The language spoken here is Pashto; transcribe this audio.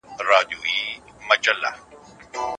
تاسو په سختو حالاتو کي مرسته کړې وه.